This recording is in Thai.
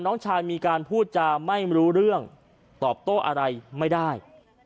น้องชายมีการพูดจาไม่รู้เรื่องตอบโต้อะไรไม่ได้